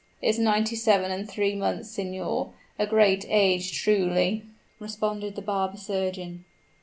"Is ninety seven and three months, signor; a great age, truly," responded the barber surgeon.